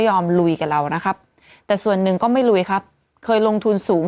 ลุยกับเรานะครับแต่ส่วนหนึ่งก็ไม่ลุยครับเคยลงทุนสูง